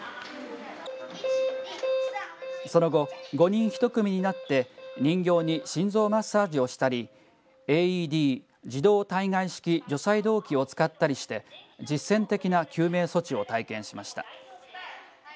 その後、５人１組になって人形に心臓マッサージをしたりＡＥＤ、自動体外式除細動器を使ったりして実践的な救命措置を体験しました。